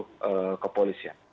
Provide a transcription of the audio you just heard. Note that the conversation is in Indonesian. reformasi di tubuh kepolisian